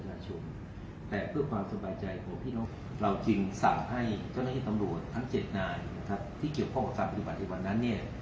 แต่เพื่อความสบายใจของพี่น้องเราจึงสั่งให้เจ้าหน้าที่ตำรวจทั้ง๗นายนะครับที่เกี่ยวข้องกับการปฏิบัติในวันนั้นเนี่ย